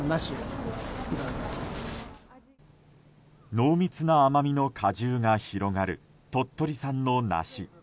濃密な甘みの果汁が広がる鳥取産の梨。